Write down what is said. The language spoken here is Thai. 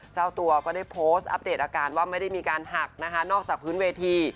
เจ้าตัวก็ได้โพสต์อัปเดตอาการว่าไม่ได้มีการหักนะคะนอกจากพื้นเวที